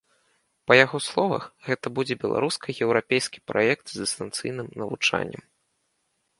Па яго словах, гэта будзе беларуска-еўрапейскі праект з дыстанцыйным навучаннем.